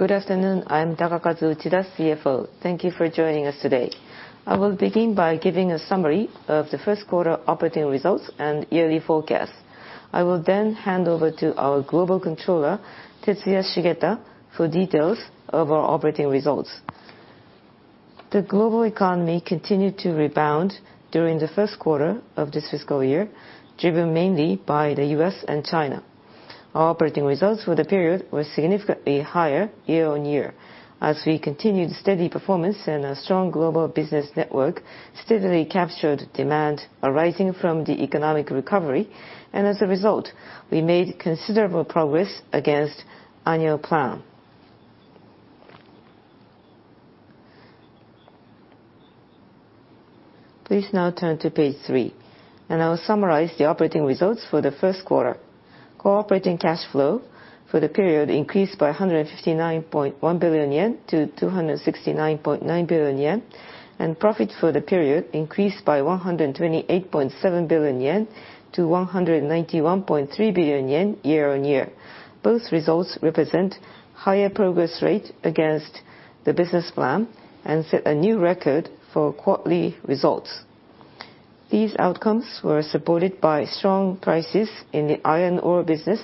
Good afternoon. I am Takakazu Uchida, CFO. Thank you for joining us today. I will begin by giving a summary of the first quarter operating results and yearly forecast. I will then hand over to our Global Controller, Tetsuya Shigeta, for details of our operating results. The global economy continued to rebound during the first quarter of this fiscal year, driven mainly by the U.S. and China. Our operating results for the period were significantly higher year-on-year, as we continued steady performance and a strong global business network steadily captured demand arising from the economic recovery, and as a result, we made considerable progress against annual plan. Please now turn to page three, and I'll summarize the operating results for the first quarter. Core operating cash flow for the period increased by 159.1 billion yen to 269.9 billion yen, and profit for the period increased by 128.7 billion yen to 191.3 billion yen, year-on-year. Both results represent higher progress rate against the business plan and set a new record for quarterly results. These outcomes were supported by strong prices in the iron ore business,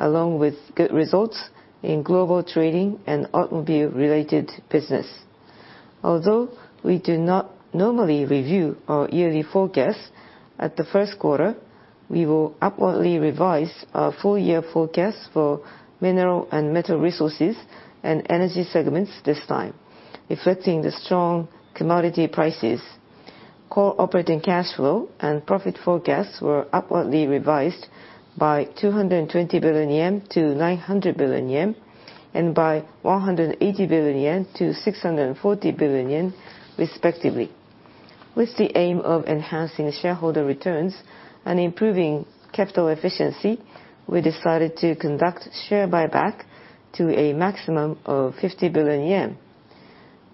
along with good results in global trading and automobile-related business. Although we do not normally review our yearly forecast at the first quarter, we will upwardly revise our full-year forecast for Mineral & Metal Resources and Energy segments this time, affecting the strong commodity prices. Core operating cash flow and profit forecasts were upwardly revised by 220 billion yen to 900 billion yen, and by 180 billion yen to 640 billion yen, respectively. With the aim of enhancing shareholder returns and improving capital efficiency, we decided to conduct share buyback to a maximum of 50 billion yen.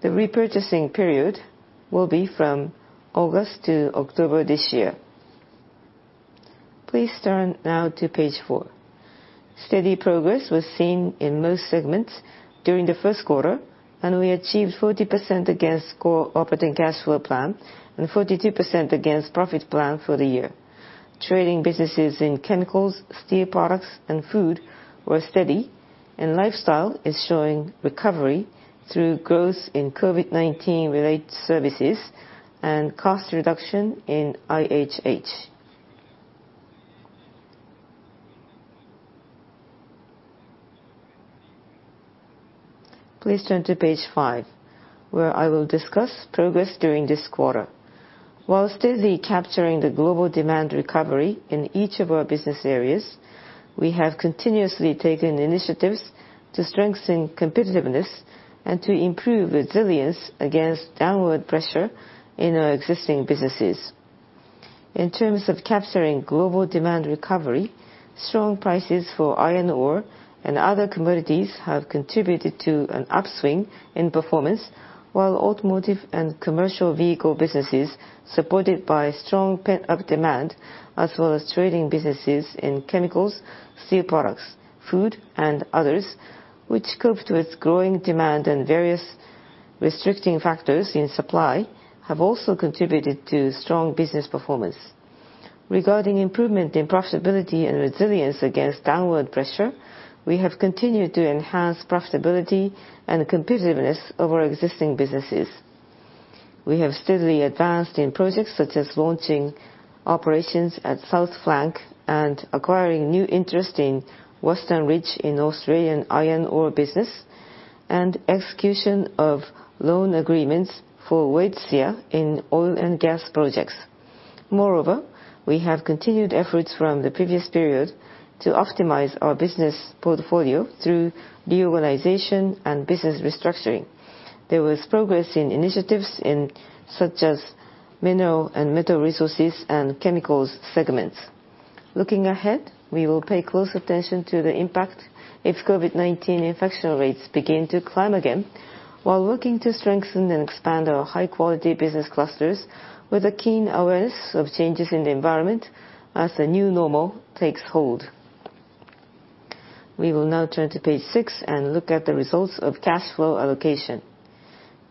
The repurchasing period will be from August to October this year. Please turn now to page four. Steady progress was seen in most segments during the first quarter. We achieved 40% against core operating cash flow plan, and 42% against profit plan for the year. Trading businesses in Chemicals, Iron & Steel Products, and Food were steady. Lifestyle is showing recovery through growth in COVID-19 related services and cost reduction in IHH. Please turn to page five, where I will discuss progress during this quarter. While steadily capturing the global demand recovery in each of our business areas, we have continuously taken initiatives to strengthen competitiveness and to improve resilience against downward pressure in our existing businesses. In terms of capturing global demand recovery, strong prices for iron ore and other commodities have contributed to an upswing in performance, while automotive and commercial vehicle businesses, supported by strong pent-up demand, as well as trading businesses in Chemicals, Steel Products, Food, and Others, which coped with growing demand and various restricting factors in supply, have also contributed to strong business performance. Regarding improvement in profitability and resilience against downward pressure, we have continued to enhance profitability and competitiveness of our existing businesses. We have steadily advanced in projects such as launching operations at South Flank and acquiring new interest in Western Ridge in Australian iron ore business, and execution of loan agreements for Waitsia in oil and gas projects. Moreover, we have continued efforts from the previous period to optimize our business portfolio through re-organization and business restructuring. There was progress in initiatives such as Mineral & Metal Resources and Chemicals segments. Looking ahead, we will pay close attention to the impact if COVID-19 infection rates begin to climb again. While working to strengthen and expand our high-quality business clusters with a keen awareness of changes in the environment as the new normal takes hold. We will now turn to page six and look at the results of cash flow allocation.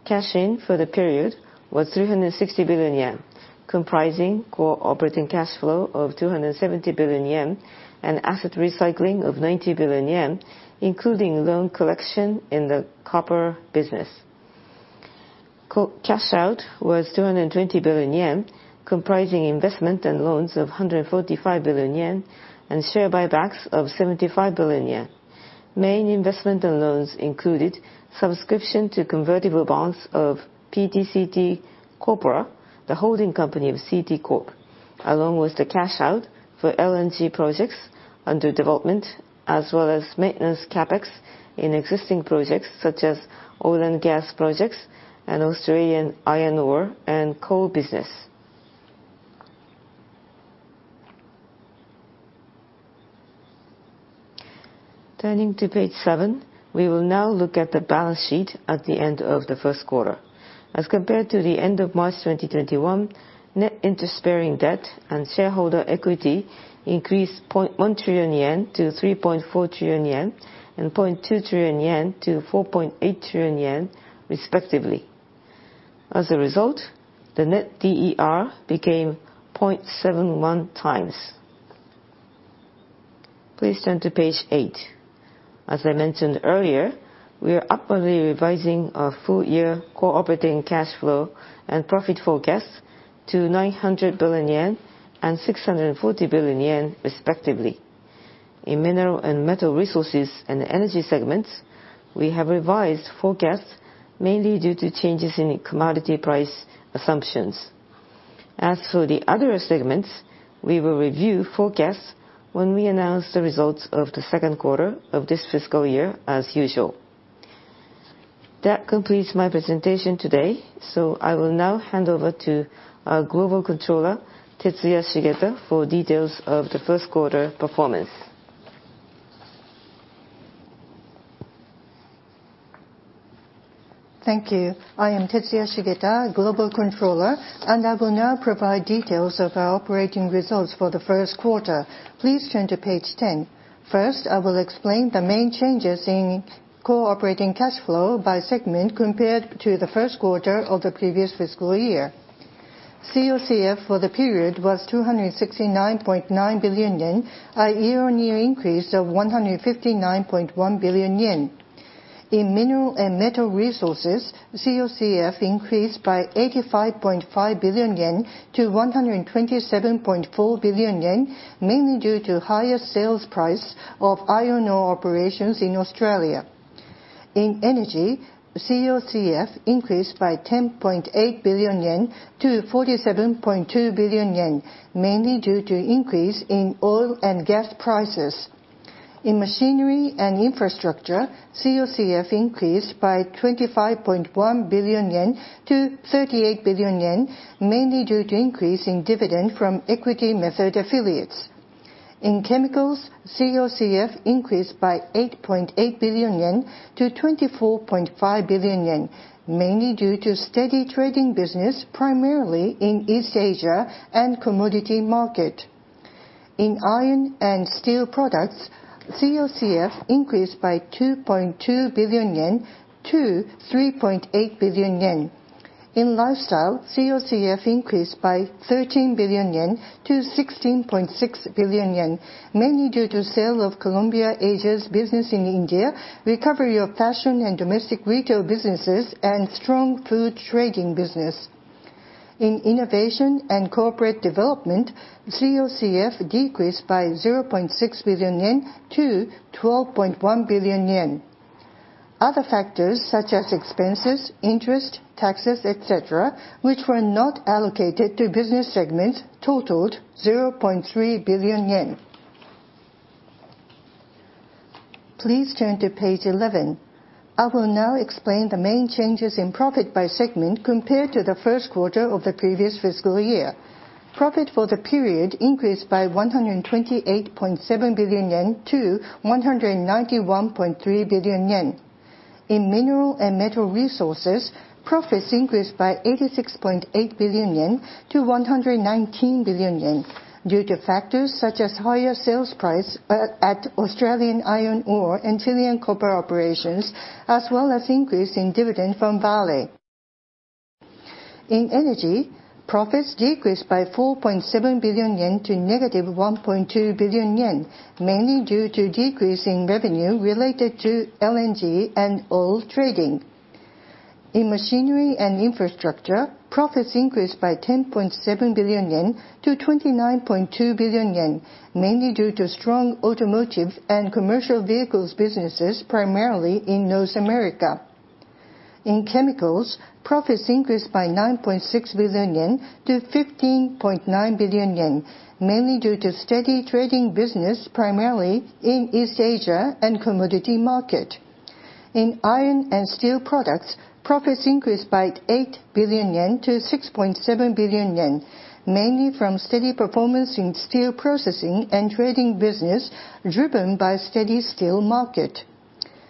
Cash in for the period was 360 billion yen, comprising core operating cash flow of 270 billion yen and asset recycling of 90 billion yen, including loan collection in the copper business. Cash out was 220 billion yen, comprising investment and loans of 145 billion yen and share buybacks of 75 billion yen. Main investment and loans included subscription to convertible bonds of PT CT Corp, the holding company of CT Corp, along with the cash out for LNG projects under development, as well as maintenance CapEx in existing projects such as oil and gas projects and Australian iron ore and coal business. Turning to page seven, we will now look at the balance sheet at the end of the first quarter. As compared to the end of March 2021, net interest-bearing debt and shareholder equity increased 1 trillion yen to 3.4 trillion yen and 2 trillion yen to 4.8 trillion yen, respectively. As a result, the Net DER became 0.71 times. Please turn to page eight. As I mentioned earlier, we are upwardly revising our full year core operating cash flow and profit forecast to 900 billion yen and 640 billion yen respectively. In Mineral & Metal Resources and Energy segments, we have revised forecasts mainly due to changes in commodity price assumptions. As for the other segments, we will review forecasts when we announce the results of the second quarter of this fiscal year as usual. That completes my presentation today, so I will now hand over to our Global Controller, Tetsuya Shigeta, for details of the first quarter performance. Thank you. I am Tetsuya Shigeta, Global Controller, and I will now provide details of our operating results for the first quarter. Please turn to page 10. I will explain the main changes in core operating cash flow by segment compared to the first quarter of the previous fiscal year. COCF for the period was 269.9 billion yen, a year-on-year increase of 159.1 billion yen. Mineral & Metal Resources, COCF increased by 85.5 billion yen to 127.4 billion yen, mainly due to higher sales price of iron ore operations in Australia. Energy, COCF increased by 10.8 billion yen to 47.2 billion yen, mainly due to increase in oil and gas prices. Machinery & Infrastructure, COCF increased by 25.1 billion yen to 38 billion yen, mainly due to increase in dividend from equity method affiliates. In Chemicals, COCF increased by 8.8 billion yen to 24.5 billion yen, mainly due to steady trading business, primarily in East Asia and commodity market. In Iron & Steel Products, COCF increased by 2.2 billion yen to 3.8 billion yen. In Lifestyle, COCF increased by 13 billion yen to 16.6 billion yen, mainly due to sale of Columbia Asia's business in India, recovery of fashion and domestic retail businesses, and strong food trading business. In Innovation and Corporate Development, COCF decreased by 0.6 billion yen to 12.1 billion yen. Other factors such as expenses, interest, taxes, et cetera, which were not allocated to business segments, totaled 0.3 billion yen. Please turn to page 11. I will now explain the main changes in profit by segment compared to the first quarter of the previous fiscal year. Profit for the period increased by 128.7 billion yen to 191.3 billion yen. In Mineral & Metal Resources, profits increased by 86.8 billion yen to 119 billion yen due to factors such as higher sales price at Australian iron ore and Chilean copper operations, as well as increase in dividend from Vale. In Energy, profits decreased by 4.7 billion yen to -1.2 billion yen, mainly due to decrease in revenue related to LNG and oil trading. In Machinery & Infrastructure, profits increased by 10.7 billion yen to 29.2 billion yen, mainly due to strong automotive and commercial vehicles businesses, primarily in North America. In Chemicals, profits increased by 9.6 billion yen to 15.9 billion yen, mainly due to steady trading business, primarily in East Asia and commodity market. In Iron & Steel Products, profits increased by 8 billion yen to 6.7 billion yen, mainly from steady performance in steel processing and trading business, driven by steady steel market.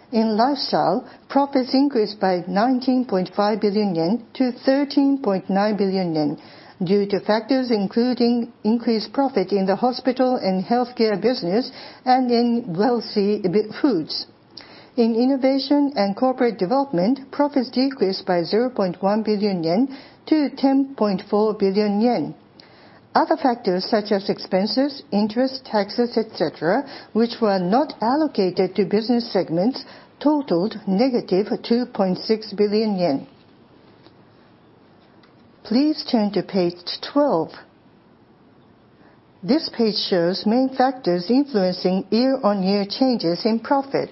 In Lifestyle, profits increased by 19.5 billion yen to 13.9 billion yen due to factors including increased profit in the hospital and healthcare business and in WellBe Foods. In Innovation & Corporate Development, profits decreased by 0.1 billion yen to 10.4 billion yen. Other factors such as expenses, interest, taxes, etc., which were not allocated to business segments, totaled negative 2.6 billion yen. Please turn to page 12. This page shows main factors influencing year-over-year changes in profit.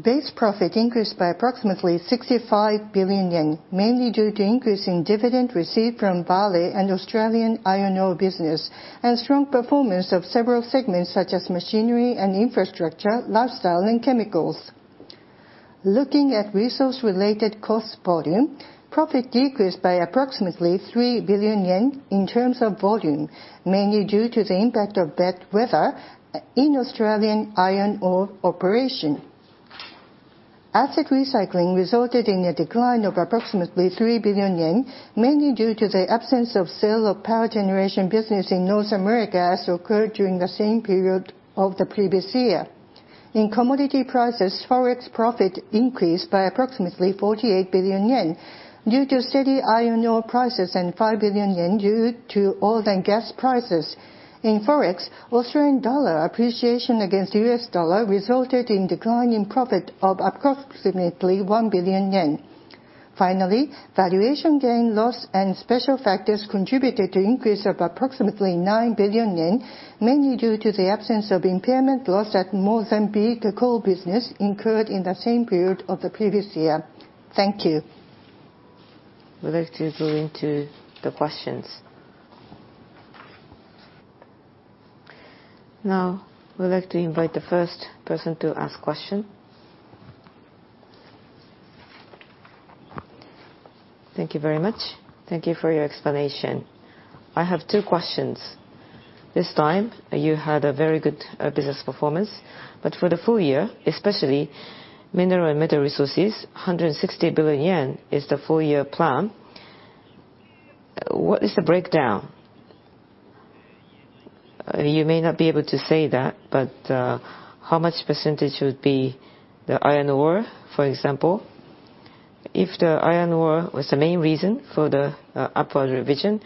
Base profit increased by approximately 65 billion yen, mainly due to increase in dividend received from Vale and Australian iron ore business, and strong performance of several segments such as Machinery & Infrastructure, Lifestyle, and Chemicals. Looking at resource-related cost volume, profit decreased by approximately 3 billion yen in terms of volume, mainly due to the impact of bad weather in Australian iron ore operation. Asset recycling resulted in a decline of approximately 3 billion yen, mainly due to the absence of sale of power generation business in North America, as occurred during the same period of the previous year. In commodity prices, Forex profit increased by approximately 48 billion yen due to steady iron ore prices, and 5 billion yen due to oil and gas prices. In Forex, Australian dollar appreciation against the U.S. dollar resulted in decline in profit of approximately 1 billion yen. Finally, valuation gain, loss, and special factors contributed to increase of approximately 9 billion yen, mainly due to the absence of impairment loss at Mitsui & Co. incurred in the same period of the previous year. Thank you. We'd like to go into the questions. Now, we'd like to invite the first person to ask question. Thank you very much. Thank you for your explanation. I have two questions. This time, you had a very good business performance. For the full year, especially Mineral & Metal Resources, 160 billion yen is the full-year plan. What is the breakdown? You may not be able to say that, but how much percentage would be the iron ore, for example? If the iron ore was the main reason for the upward revision,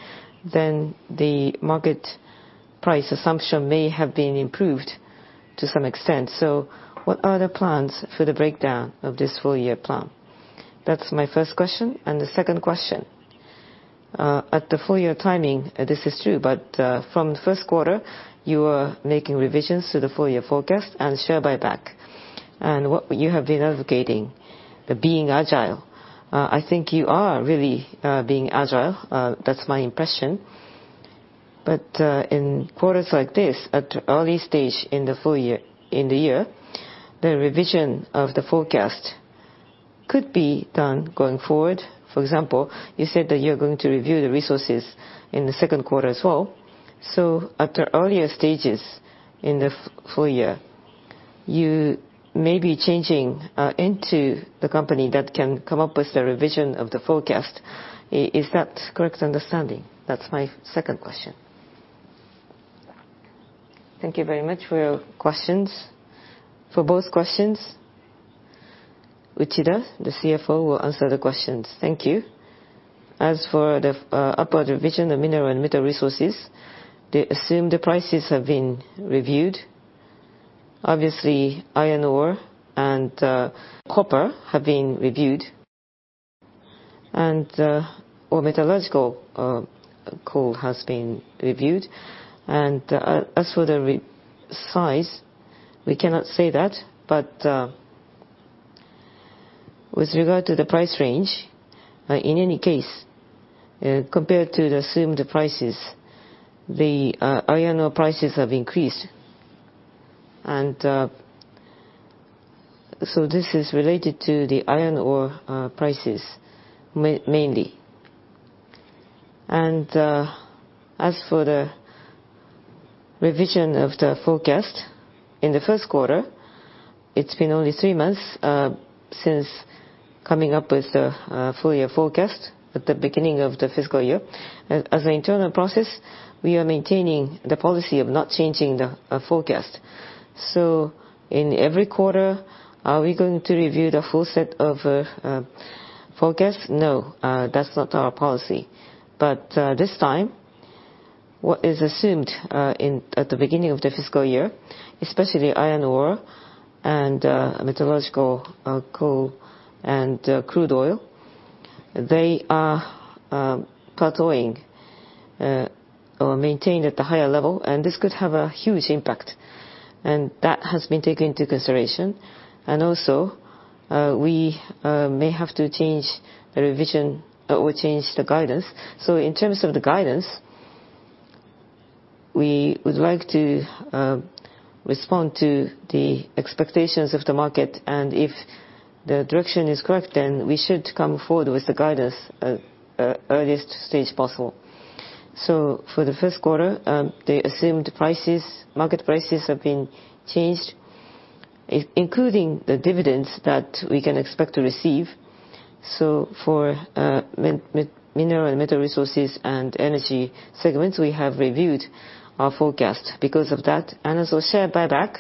then the market price assumption may have been improved to some extent. What are the plans for the breakdown of this full year plan? That's my first question. The second question. At the full year timing, this is true, but from the first quarter, you are making revisions to the full year forecast and share buyback. What you have been advocating, the being agile, I think you are really being agile. That's my impression. In quarters like this, at early stage in the year, the revision of the forecast could be done going forward. For example, you said that you are going to review the resources in the second quarter as well. At the earlier stages in the full year, you may be changing into the company that can come up with the revision of the forecast. Is that correct understanding? That is my second question. Thank you very much for your questions. For both questions, Uchida, the CFO, will answer the questions. Thank you. The upward revision of Mineral & Metal Resources, the assumed prices have been reviewed. Iron ore and copper have been reviewed. Metallurgical coal has been reviewed. The size, we cannot say that. With regard to the price range, in any case, compared to the assumed prices, the iron ore prices have increased. This is related to the iron ore prices, mainly. The revision of the forecast in the first quarter, it's been only three months since coming up with the full year forecast at the beginning of the fiscal year. As an internal process, we are maintaining the policy of not changing the forecast. In every quarter, are we going to review the full set of forecasts? No, that is not our policy. This time, what is assumed at the beginning of the fiscal year, especially iron ore and metallurgical coal and crude oil, they are plateauing or maintained at the higher level, and this could have a huge impact. That has been taken into consideration. Also, we may have to change the revision or change the guidance. In terms of the guidance, we would like to respond to the expectations of the market, and if the direction is correct, then we should come forward with the guidance at earliest stage possible. For the first quarter, the assumed market prices have been changed, including the dividends that we can expect to receive. For Mineral & Metal Resources and Energy segments, we have reviewed our forecast because of that. Also share buyback.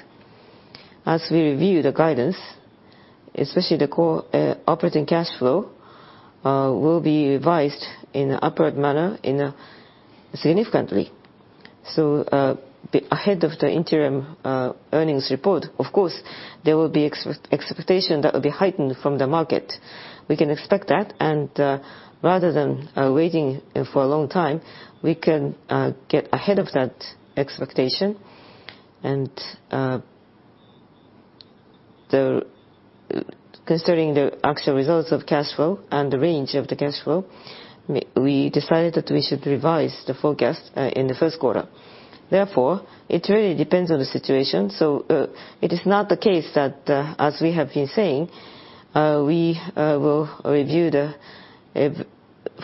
As we review the guidance, especially the core operating cash flow, will be revised in an upward manner significantly. Ahead of the interim earnings report, of course, there will be expectation that will be heightened from the market. We can expect that, rather than waiting for a long time, we can get ahead of that expectation. Considering the actual results of cash flow and the range of the cash flow, we decided that we should revise the forecast in the first quarter. Therefore, it really depends on the situation. It is not the case that, as we have been saying, we will review the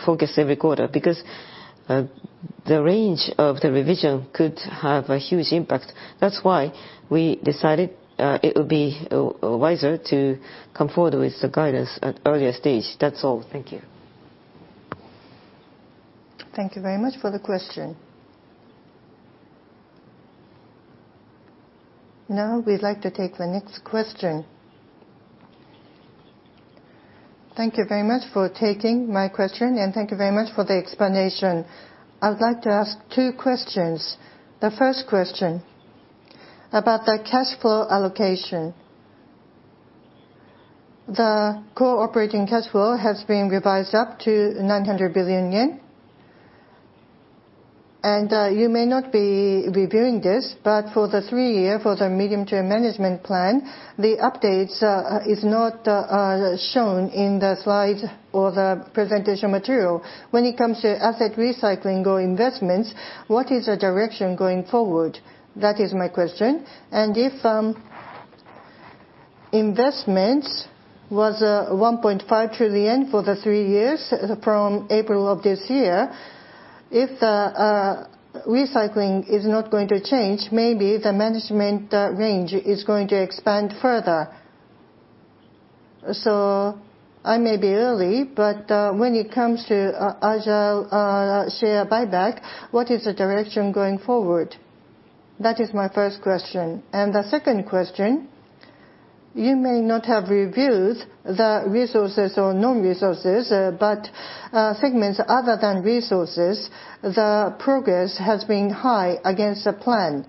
forecast every quarter, because the range of the revision could have a huge impact. That's why we decided it would be wiser to come forward with the guidance at earlier stage. That's all. Thank you. Thank you very much for the question. Now we'd like to take the next question. Thank you very much for taking my question. Thank you very much for the explanation. I would like to ask two questions. The first question, about the cash flow allocation. The core operating cash flow has been revised up to 900 billion yen. You may not be reviewing this, but for the three-year, for the medium-term management plan, the updates is not shown in the slides or the presentation material. When it comes to asset recycling or investments, what is the direction going forward? That is my question. If investments was 1.5 trillion for the three years from April of this year, if the recycling is not going to change, maybe the management range is going to expand further. I may be early, but when it comes to agile share buyback, what is the direction going forward? That is my first question. The second question, you may not have reviewed the resources or non-resources, but segments other than resources, the progress has been high against the plan.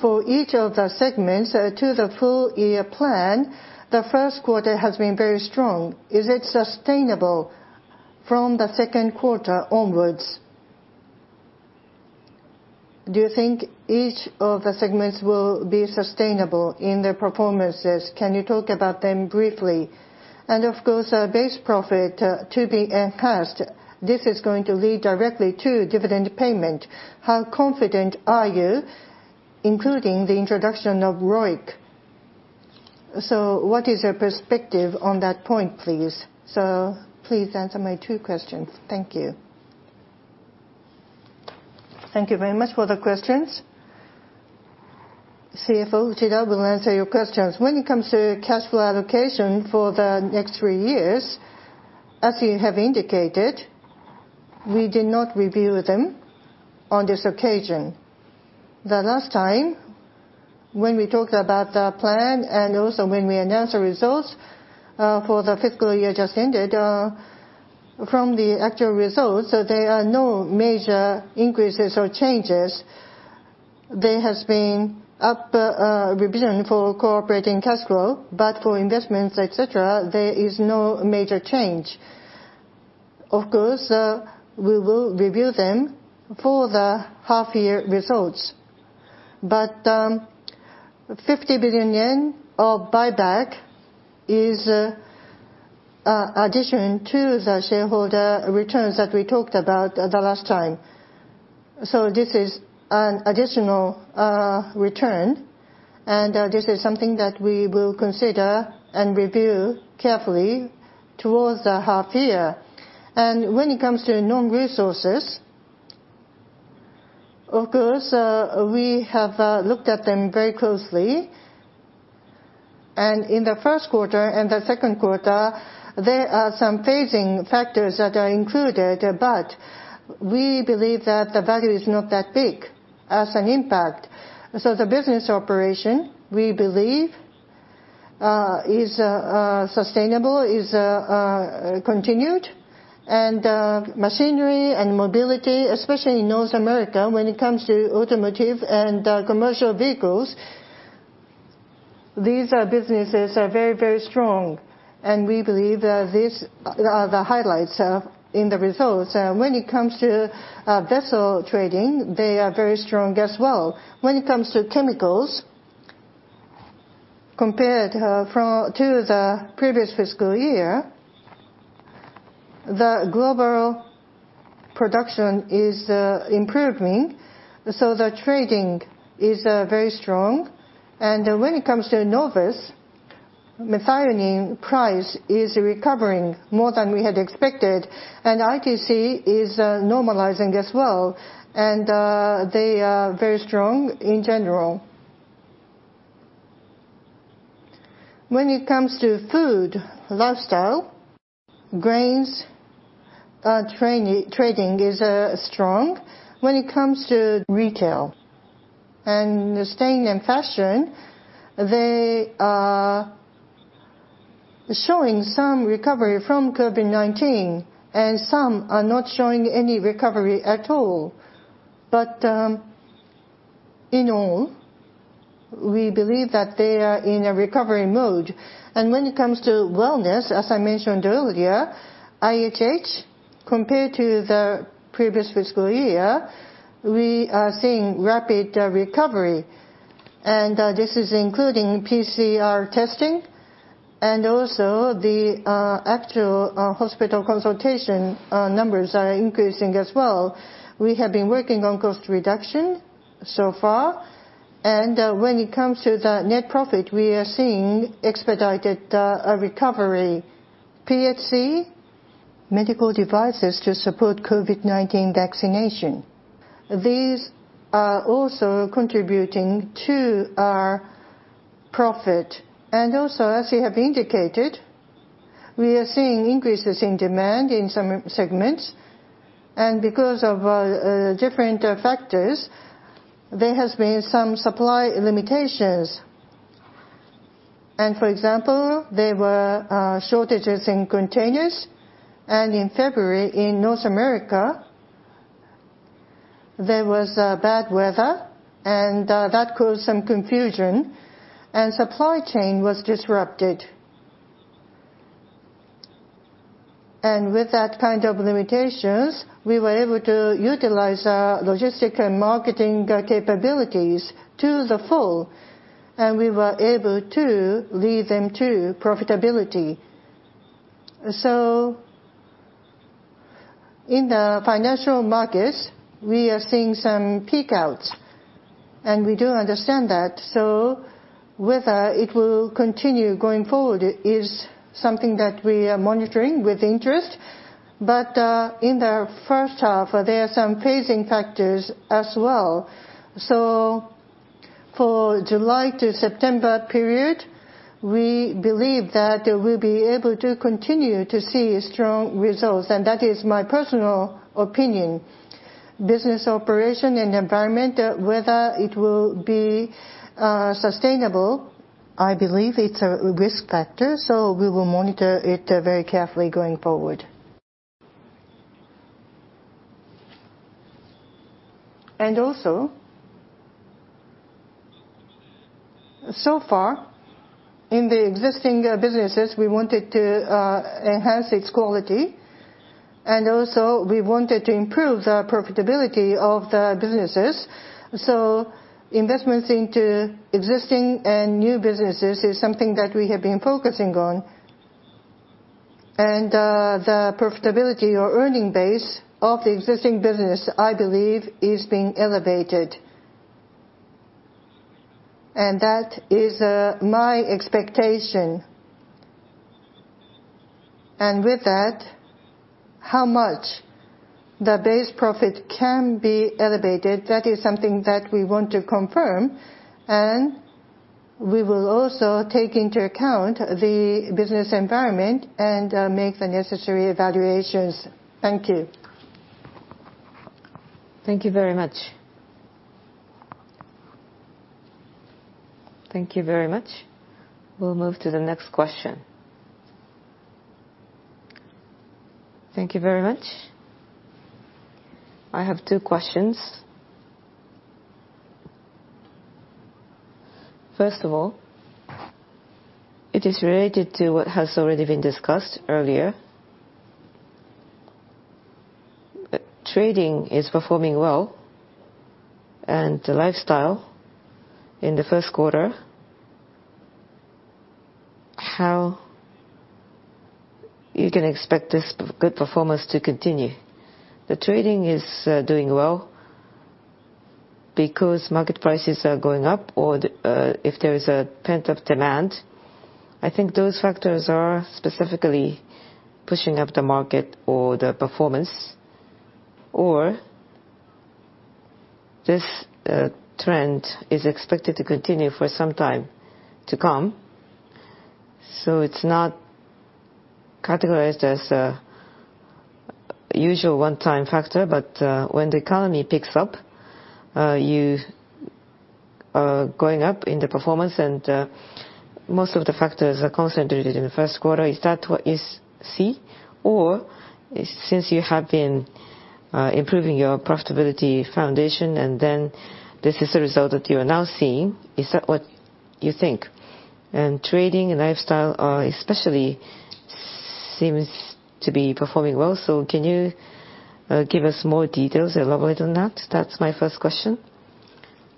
For each of the segments to the full year plan, the first quarter has been very strong. Is it sustainable from the second quarter onwards? Do you think each of the segments will be sustainable in their performances? Can you talk about them briefly? Of course, base profit to be enhanced, this is going to lead directly to dividend payment. How confident are you, including the introduction of ROIC? What is your perspective on that point, please? Please answer my two questions. Thank you. Thank you very much for the questions. CFO Uchida will answer your questions. When it comes to cash flow allocation for the next three years, as you have indicated, we did not review them on this occasion. The last time, when we talked about the plan, and also when we announced the results for the fiscal year just ended, from the actual results, there are no major increases or changes. There has been up revision for core operating cash flow, for investments, et cetera, there is no major change. Of course, we will review them for the half-year results. 50 billion yen of buyback is addition to the shareholder returns that we talked about the last time. This is an additional return, and this is something that we will consider and review carefully towards the half year. When it comes to non-resources, of course, we have looked at them very closely. In the first quarter and the second quarter, there are some phasing factors that are included, but we believe that the value is not that big as an impact. The business operation, we believe, is sustainable, is continued. Machinery and mobility, especially in North America, when it comes to automotive and commercial vehicles, these businesses are very strong, and we believe these are the highlights in the results. When it comes to vessel trading, they are very strong as well. When it comes to Chemicals, compared to the previous fiscal year, the global production is improving, so the trading is very strong. When it comes to Novus, methionine price is recovering more than we had expected, and ITC is normalizing as well. They are very strong in general. When it comes to Food, Lifestyle, grains trading is strong. When it comes to retail and staying in fashion, they are showing some recovery from COVID-19, and some are not showing any recovery at all. In all, we believe that they are in a recovery mode. When it comes to wellness, as I mentioned earlier, IHH, compared to the previous fiscal year, we are seeing rapid recovery. This is including PCR testing, also the actual hospital consultation numbers are increasing as well. We have been working on cost reduction so far. When it comes to the net profit, we are seeing expedited recovery. PHC medical devices to support COVID-19 vaccination. These are also contributing to our profit. Also, as we have indicated, we are seeing increases in demand in some segments. Because of different factors, there has been some supply limitations. For example, there were shortages in containers. In February in North America, there was bad weather. That caused some confusion. Supply chain was disrupted. With that kind of limitations, we were able to utilize our logistic and marketing capabilities to the full, and we were able to lead them to profitability. In the financial markets, we are seeing some peak outs, and we do understand that. Whether it will continue going forward is something that we are monitoring with interest. In the first half, there are some phasing factors as well. For July to September period, we believe that we'll be able to continue to see strong results, and that is my personal opinion. Business operation and environment, whether it will be sustainable, I believe it's a risk factor, so we will monitor it very carefully going forward. Also, so far in the existing businesses, we wanted to enhance its quality, and also we wanted to improve the profitability of the businesses. Investments into existing and new businesses is something that we have been focusing on. The profitability or earning base of the existing business, I believe, is being elevated. That is my expectation. With that, how much the base profit can be elevated, that is something that we want to confirm, and we will also take into account the business environment and make the necessary evaluations. Thank you. Thank you very much. Thank you very much. We'll move to the next question. Thank you very much. I have two questions. First of all, it is related to what has already been discussed earlier. Trading is performing well, and the Lifestyle in the first quarter, how you can expect this good performance to continue. The trading is doing well because market prices are going up, or if there is a pent-up demand. I think those factors are specifically pushing up the market or the performance. This trend is expected to continue for some time to come, so it's not categorized as a usual one-time factor. When the economy picks up, you are going up in the performance, and most of the factors are concentrated in the first quarter. Is that what you see? Since you have been improving your profitability foundation, this is the result that you are now seeing. Is that what you think? Trading and Lifestyle especially seems to be performing well. Can you give us more details, elaborate on that? That's my first question.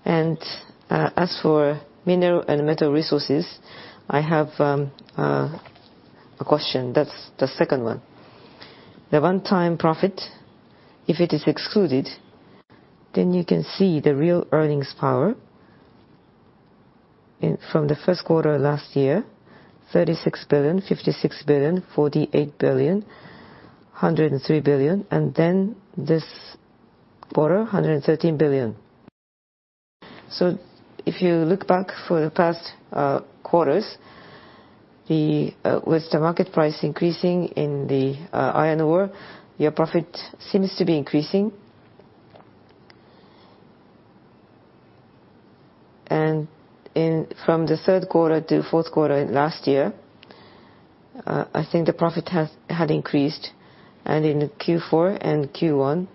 As for Mineral & Metal Resources, I have a question. That's the second one. The one-time profit, if it is excluded, you can see the real earnings power from the first quarter last year, 36 billion, 56 billion, 48 billion, 103 billion, and this quarter, 113 billion. If you look back for the past quarters, with the market price increasing in the iron ore, your profit seems to be increasing. From the third quarter to fourth quarter last year, I think the profit had increased, and in Q4 and Q1,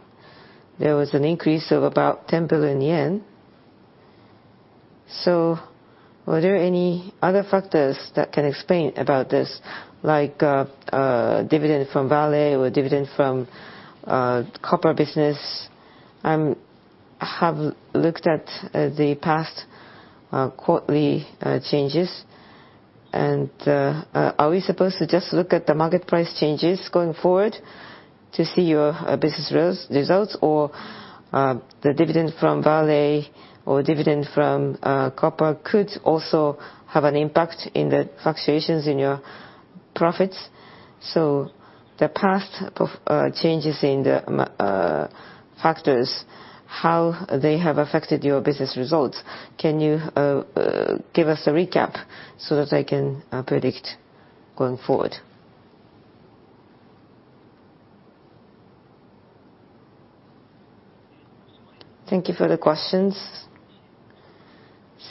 there was an increase of about 10 billion yen. Were there any other factors that can explain about this, like dividend from Vale or dividend from copper business? I have looked at the past quarterly changes. Are we supposed to just look at the market price changes going forward to see your business results? The dividend from Vale or dividend from copper could also have an impact in the fluctuations in your profits. The past changes in the factors, how they have affected your business results, can you give us a recap so that I can predict going forward? Thank you for the questions.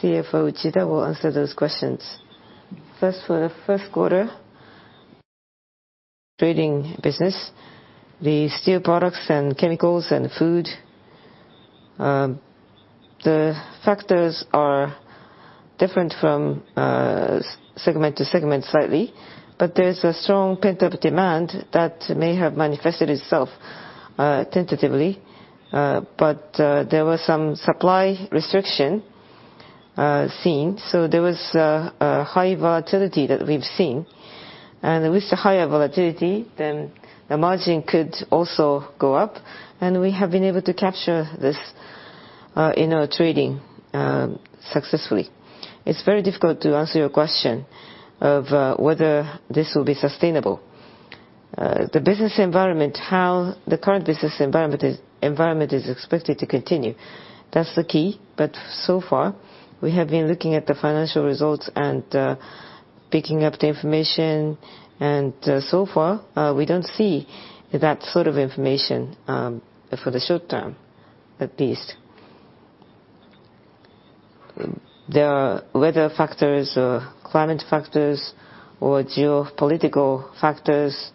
CFO Uchida will answer those questions. First, for the 1st quarter trading business, the Steel Products and Chemicals and Food, the factors are different from segment to segment slightly. There's a strong pent-up demand that may have manifested itself tentatively. There was some supply restriction seen, so there was a high volatility that we've seen. With the higher volatility, the margin could also go up, and we have been able to capture this in our trading successfully. It's very difficult to answer your question of whether this will be sustainable. The business environment, how the current business environment is expected to continue. That's the key. So far, we have been looking at the financial results and picking up the information. So far, we don't see that sort of information for the short term, at least. There are weather factors or climate factors or geopolitical factors,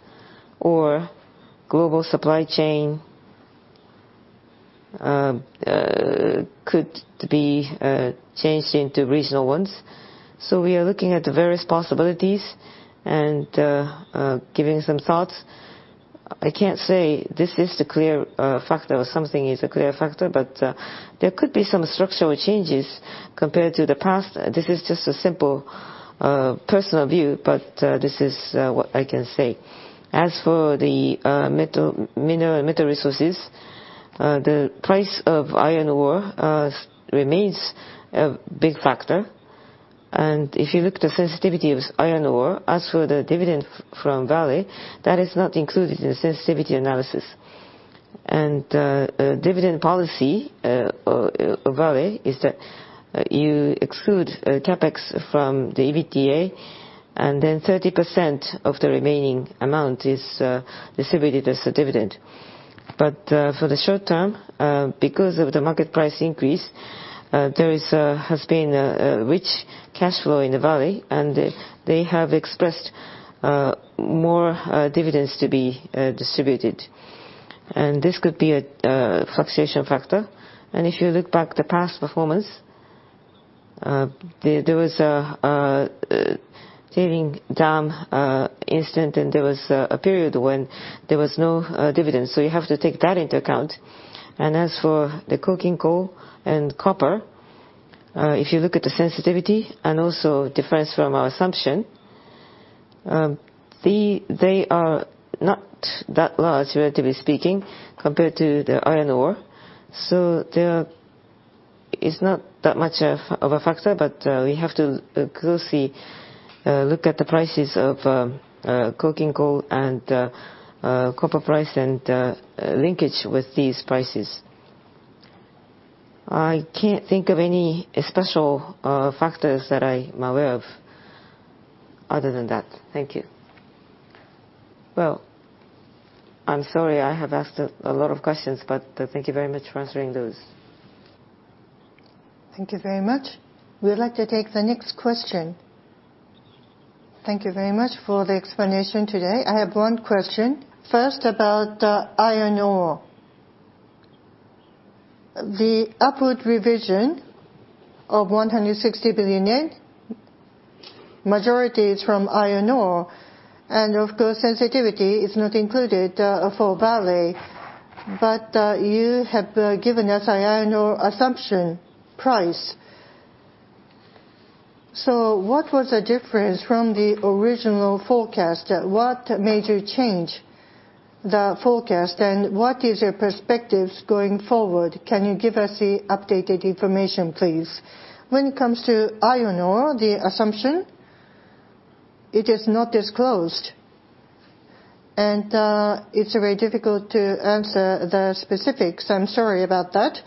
global supply chain could be changed into regional ones. We are looking at the various possibilities and giving some thoughts. I can't say this is the clear factor or something is a clear factor, there could be some structural changes compared to the past. This is just a simple personal view, this is what I can say. As for the Mineral & Metal Resources, the price of iron ore remains a big factor. If you look at the sensitivity of iron ore, as for the dividend from Vale, that is not included in the sensitivity analysis. Dividend policy of Vale is that you exclude CapEx from the EBITDA, 30% of the remaining amount is distributed as the dividend. For the short term, because of the market price increase, there has been a rich cash flow in Vale, and they have expressed more dividends to be distributed. This could be a fluctuation factor. If you look back the past performance, there was a tailing dam incident, and there was a period when there was no dividend. You have to take that into account. As for the coking coal and copper, if you look at the sensitivity and also difference from our assumption, they are not that large, relatively speaking, compared to the iron ore. It's not that much of a factor, but we have to closely look at the prices of coking coal and copper price, and linkage with these prices. I can't think of any special factors that I'm aware of other than that. Thank you. Well, I'm sorry, I have asked a lot of questions, but thank you very much for answering those. Thank you very much. We would like to take the next question. Thank you very much for the explanation today. I have one question. First, about iron ore. The upward revision of 160 billion yen, majority is from iron ore. Of course, sensitivity is not included for Vale. You have given us iron ore assumption price. What was the difference from the original forecast? What made you change the forecast, and what is your perspectives going forward? Can you give us the updated information, please? When it comes to iron ore, the assumption, it is not disclosed. It's very difficult to answer the specifics. I'm sorry about that.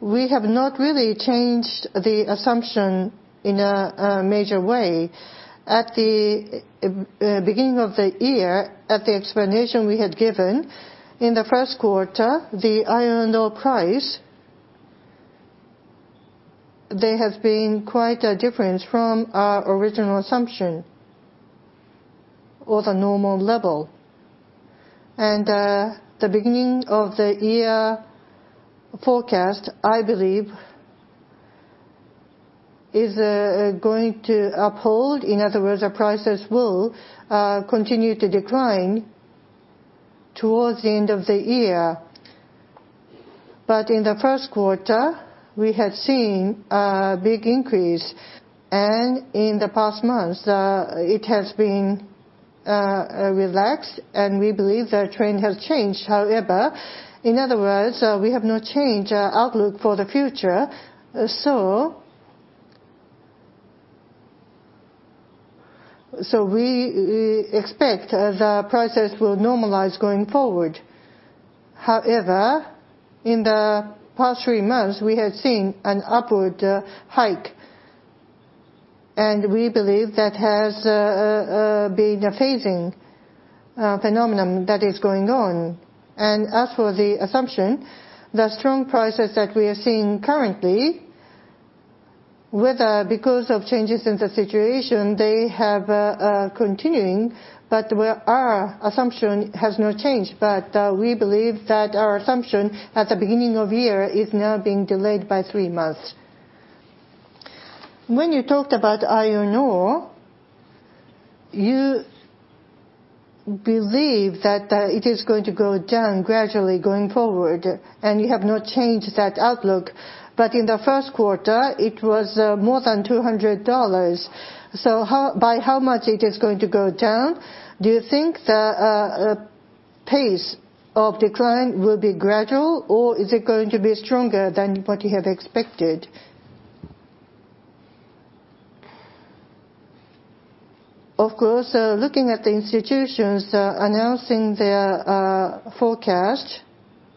We have not really changed the assumption in a major way. At the beginning of the year, at the explanation we had given, in the first quarter, the iron ore price, there has been quite a difference from our original assumption of the normal level. The beginning of the year forecast, I believe, is going to uphold, in other words, the prices will continue to decline towards the end of the year. In the first quarter, we had seen a big increase, and in the past months, it has been relax. We believe the trend has changed. In other words, we have not changed our outlook for the future. We expect the prices will normalize going forward. In the past three months, we have seen an upward hike, and we believe that has been a phasing phenomenon that is going on. As for the assumption, the strong prices that we are seeing currently, whether because of changes in the situation, they have continuing, but our assumption has not changed. We believe that our assumption at the beginning of year is now being delayed by three months. When you talked about iron ore, you believe that it is going to go down gradually going forward, and you have not changed that outlook. In the first quarter, it was more than $200. By how much it is going down? Do you think the pace of decline will be gradual, or is it going to be stronger than what you have expected? Of course, looking at the institutions announcing their forecast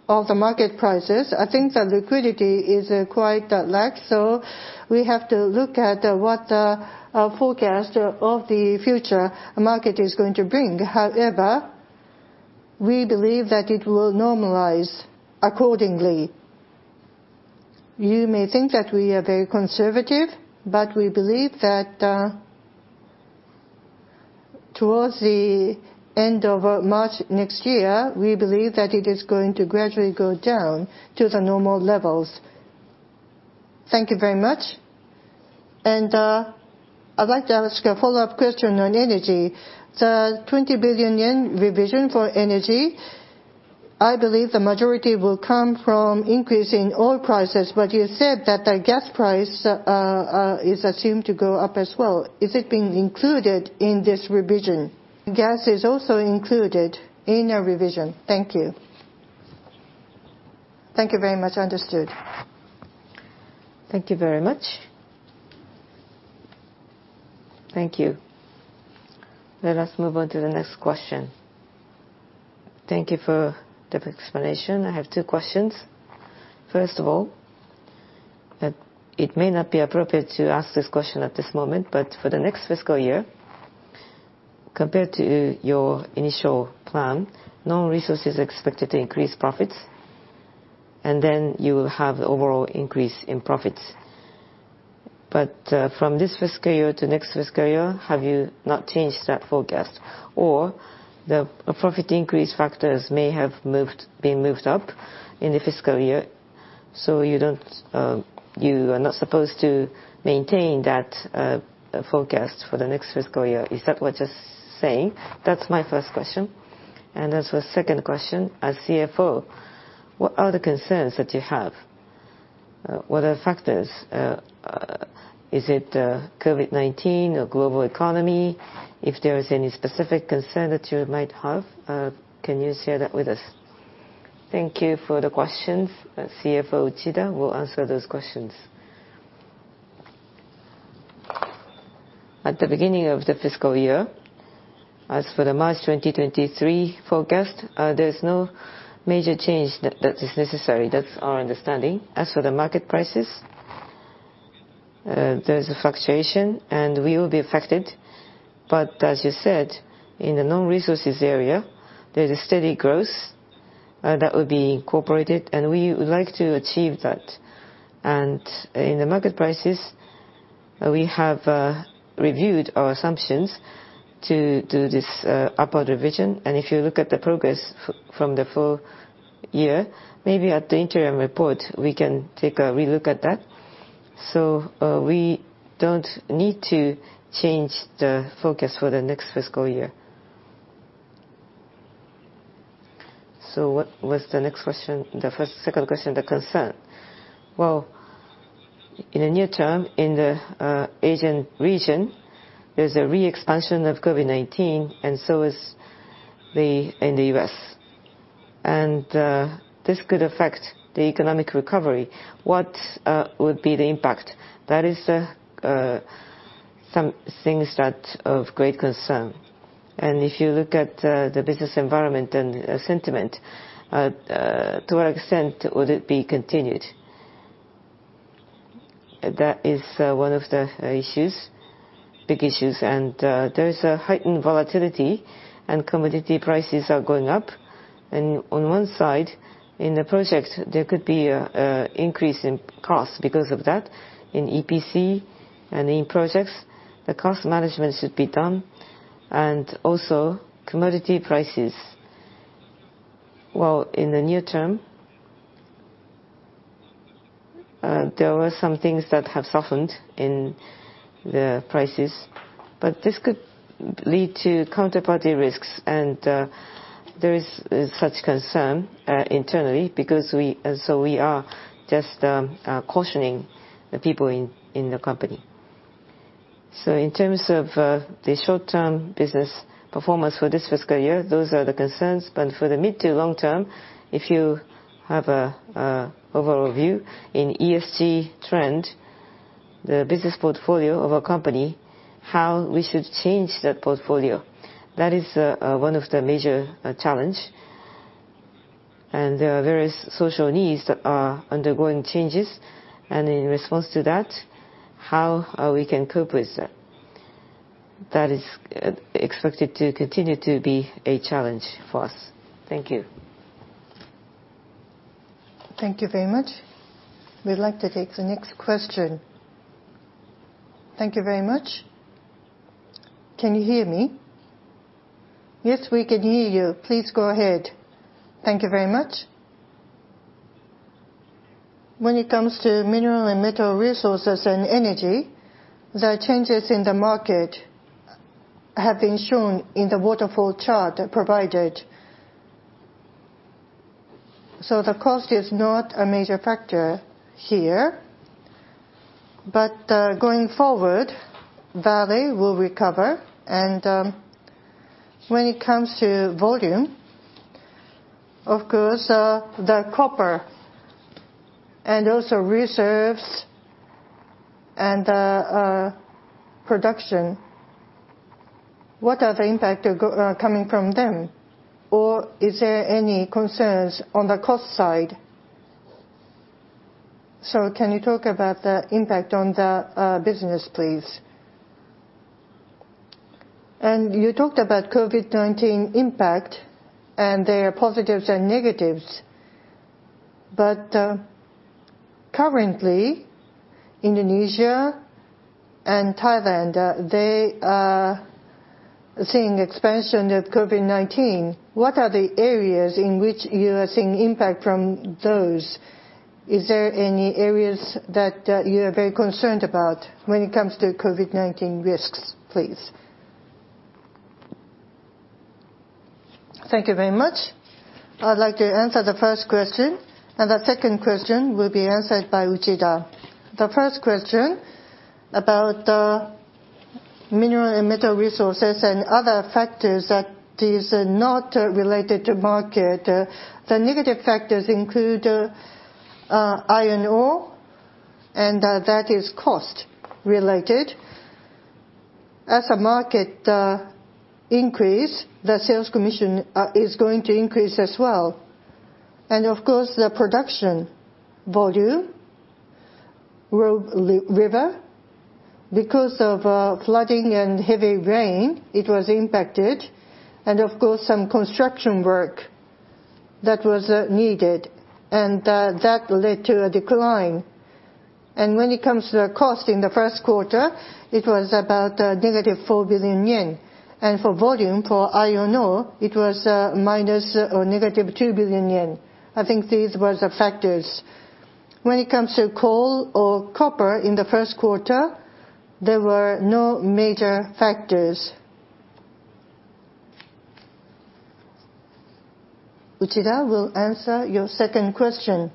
of the market prices, I think the liquidity is quite lacked. We have to look at what forecast of the future market is going to bring. However, we believe that it will normalize accordingly. You may think that we are very conservative, but we believe that towards the end of March next year, we believe that it is going to gradually go down to the normal levels. Thank you very much. I'd like to ask a follow-up question on Energy. The 20 billion yen revision for Energy, I believe the majority will come from increase in oil prices, but you said that the gas price is assumed to go up as well. Is it being included in this revision? Gas is also included in our revision. Thank you. Thank you very much. Understood. Thank you very much. Thank you. Let us move on to the next question. Thank you for the explanation. I have two questions. First of all, it may not be appropriate to ask this question at this moment, but for the next fiscal year, compared to your initial plan, no resource is expected to increase profits, and then you will have the overall increase in profits. From this fiscal year to next fiscal year, have you not changed that forecast? The profit increase factors may have been moved up in the fiscal year, so you are not supposed to maintain that forecast for the next fiscal year. Is that what're you saying? That's my first question. As for second question, as CFO, what are the concerns that you have? What are the factors? Is it COVID-19 or global economy? If there is any specific concern that you might have, can you share that with us? Thank you for the questions. CFO Uchida will answer those questions. At the beginning of the fiscal year, as for the March 2023 forecast, there's no major change that is necessary. That's our understanding. As for the market prices, there's a fluctuation, and we will be affected. As you said, in the non-resources area, there's a steady growth that will be incorporated, and we would like to achieve that. In the market prices, we have reviewed our assumptions to do this upward revision. If you look at the progress from the full year, maybe at the interim report, we can take a relook at that. We don't need to change the focus for the next fiscal year. What was the second question, the concern? Well, in the near term, in the Asian region, there's a re-expansion of COVID-19, and so is in the U.S. This could affect the economic recovery. What would be the impact? That is some things that of great concern. If you look at the business environment and sentiment, to what extent would it be continued? That is one of the big issues. There is a heightened volatility, and commodity prices are going up. On one side, in the project, there could be a increase in cost because of that. In EPC and in projects, the cost management should be done. Also commodity prices, while in the near term, there were some things that have softened in the prices, but this could lead to counterparty risks. There is such concern internally, so we are just cautioning the people in the company. In terms of the short-term business performance for this fiscal year, those are the concerns. For the mid to long term, if you have an overall view in ESG trend, the business portfolio of a company, how we should change that portfolio. That is one of the major challenge, and there are various social needs that are undergoing changes. In response to that, how we can cope with that is expected to continue to be a challenge for us. Thank you. Thank you very much. We'd like to take the next question. Thank you very much. Can you hear me? Yes, we can hear you. Please go ahead. Thank you very much. When it comes to Mineral & Metal Resources and Energy, the changes in the market have been shown in the waterfall chart provided. The cost is not a major factor here, but going forward, value will recover. When it comes to volume, of course, the copper and also reserves and production, what are the impact coming from them? Is there any concerns on the cost side? Can you talk about the impact on the business, please? You talked about COVID-19 impact and there are positives and negatives, but currently Indonesia and Thailand, they are seeing expansion of COVID-19. What are the areas in which you are seeing impact from those? Is there any areas that you are very concerned about when it comes to COVID-19 risks, please? Thank you very much. I'd like to answer the first question, and the second question will be answered by Uchida. The first question about the Mineral & Metal Resources and other factors that is not related to market. The negative factors include iron ore, and that is cost related. As the market increase, the sales commission is going to increase as well. Of course, the production volume, Robe River, because of flooding and heavy rain, it was impacted. Of course, some construction work that was needed, and that led to a decline. When it comes to the cost in the first quarter, it was about -4 billion yen. For volume, for iron ore, it was -2 billion yen. I think these was the factors. When it comes to coal or copper in the first quarter, there were no major factors. Uchida will answer your second question.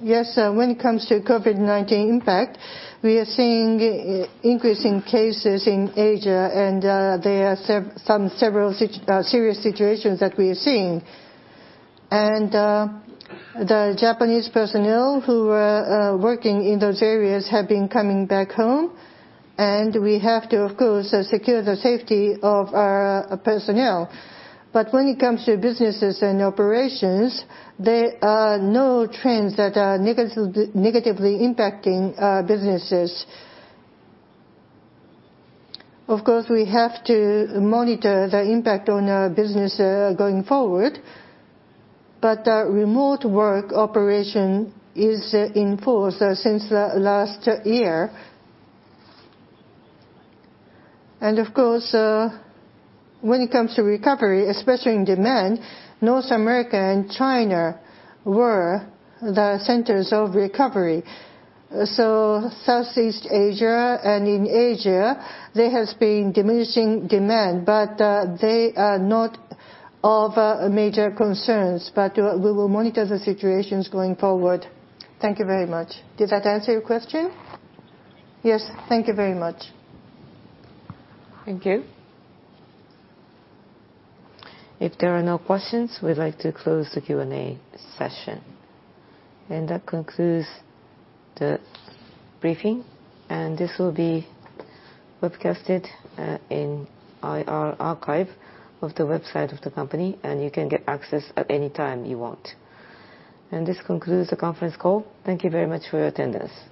Yes. When it comes to COVID-19 impact, we are seeing increasing cases in Asia. There are several serious situations that we are seeing. The Japanese personnel who were working in those areas have been coming back home. We have to, of course, secure the safety of our personnel. When it comes to businesses and operations, there are no trends that are negatively impacting our businesses. Of course, we have to monitor the impact on our business going forward. Remote work operation is in force since last year. Of course, when it comes to recovery, especially in demand, North America and China were the centers of recovery. Southeast Asia and in Asia, there has been diminishing demand, they are not of major concerns. We will monitor the situations going forward. Thank you very much. Did that answer your question? Yes. Thank you very much. Thank you. If there are no questions, we'd like to close the Q&A session. That concludes the briefing, and this will be webcasted in IR archive of the website of the company, and you can get access at any time you want. This concludes the conference call. Thank you very much for your attendance.